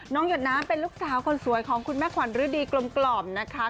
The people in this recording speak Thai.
หยดน้ำเป็นลูกสาวคนสวยของคุณแม่ขวัญฤดีกลมนะคะ